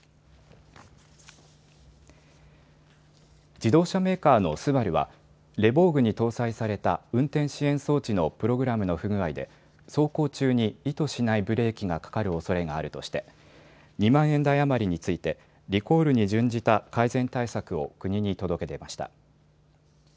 自動車メーカーのＳＵＢＡＲＵは、レヴォーグに搭載された運転支援装置のプログラムの不具合で、走行中に意図しないブレーキがかかるおそれがあるとして、２万台余りについて、リコールに準じた改善対策を国に届け出ました。